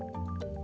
yang menipu rakyat